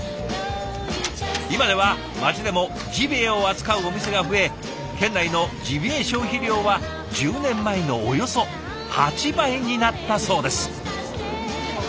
今では町でもジビエを扱うお店が増え県内のジビエ消費量は１０年前のおよそ８倍になったそうです。